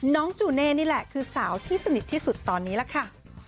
จูเน่นี่แหละคือสาวที่สนิทที่สุดตอนนี้ล่ะค่ะ